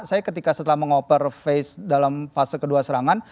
saya ketika setelah mengoper face dalam fase kedua serangan